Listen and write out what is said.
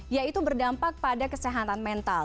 yaitu berdampak pada kesehatan mental